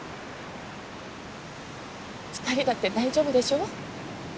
２人だって大丈夫でしょ？